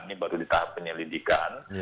ini baru di tahap penyelidikan